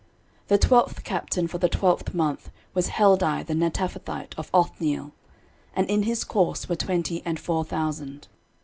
13:027:015 The twelfth captain for the twelfth month was Heldai the Netophathite, of Othniel: and in his course were twenty and four thousand.